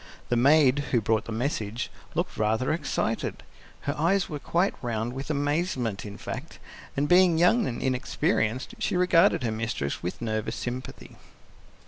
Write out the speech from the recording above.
The maid, who brought the message, looked rather excited; her eyes were quite round with amazement, in fact, and being young and inexperienced, she regarded her mistress with nervous sympathy.